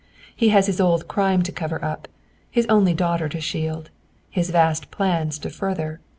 "He has his old crime to cover up, his only daughter to shield, his vast plans to further.